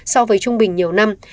so với trung bình nhiều năm